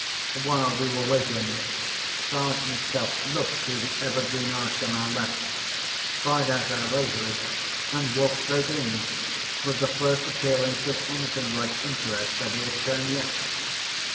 While we were waiting, Sergeant Cuff looked through the evergreen arch on our left, spied out our rosery, and walked straight in, with the first appearance of anything like interest that he had shown yet.